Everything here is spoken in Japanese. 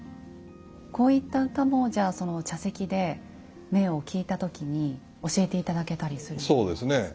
こういった歌もじゃあ茶席で銘を聞いた時に教えて頂けたりするんですか？